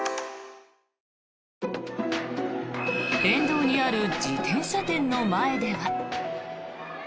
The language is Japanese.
沿道にある自転車店の前では。